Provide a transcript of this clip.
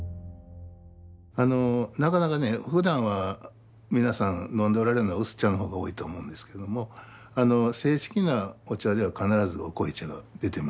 なかなかねふだんは皆さん飲んでおられるのは薄茶の方が多いと思うんですけれども正式なお茶では必ずお濃茶が出てまいります。